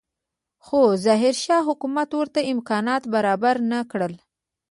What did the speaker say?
خو ظاهرشاه حکومت ورته امکانات برابر نه کړل.